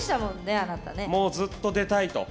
もうずっと出たいと。